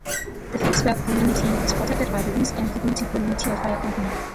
The Finksburg community is protected by the Reese and Community Volunteer Fire Company.